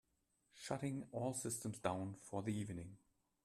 Shutting all systems down for the evening.